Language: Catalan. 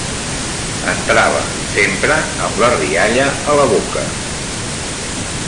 Entrava, sempre am la rialla a la boca